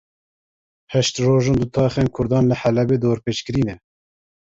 Heşt roj in du taxên kurdan li Helebê dorpêçkirî ne.